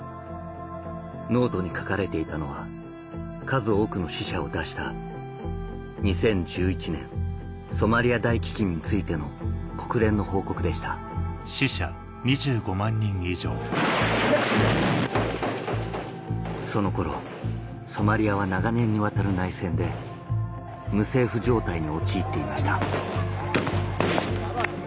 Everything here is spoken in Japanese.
ノートに書かれていたのは数多くの死者を出した２０１１年ソマリア大飢饉についての国連の報告でしたその頃ソマリアは長年にわたる内戦で無政府状態に陥っていました